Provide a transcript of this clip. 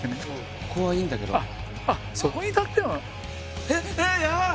ここはいいんだけどそこに立ってもえっいやっ